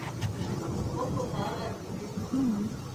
Joko zaharrak ditu.